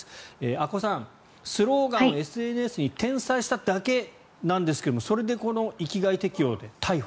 阿古さん、スローガンをＳＮＳに転載しただけなんですがそれで、この域外適用で逮捕。